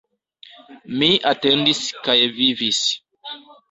Mi atendis kaj vivis.